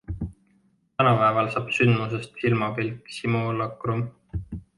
Tänapäeval saab sündmusest silmapilk simulacrum.